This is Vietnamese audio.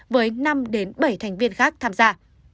với năm bảy thành viên khác tham gia